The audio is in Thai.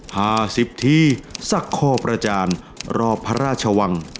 ผ่าสิบทีสักข้อประจานรอพระราชวัง